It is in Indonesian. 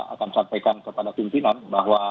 akan sampaikan kepada pimpinan bahwa